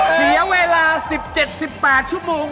เสียเวลา๑๗๑๘ชั่วโมง